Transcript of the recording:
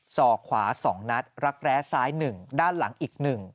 ศอกขวา๒นัดรักแร้ซ้าย๑ด้านหลังอีก๑